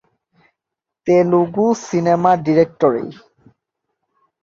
Telugu cinema directory